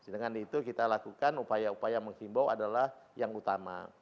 dengan itu kita lakukan upaya upaya menghimbau adalah yang utama